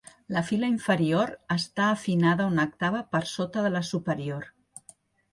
La fila inferior està afinada una octava per sota de la superior.